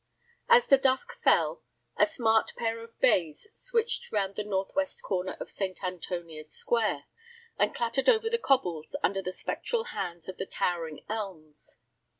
As the dusk fell, a smart pair of "bays" switched round the northwest corner of St. Antonia's Square and clattered over the cobbles under the spectral hands of the towering elms.